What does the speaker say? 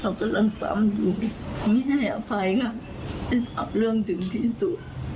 หุ่นดาบกำลังปั๊มอยู่ไม่ให้ภายงัดในภาพเรื่องถึงที่สุด